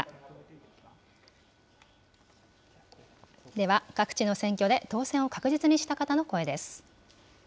では、各地の選挙で当選を確実にした方の声です。